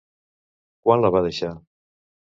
Quan la va deixar?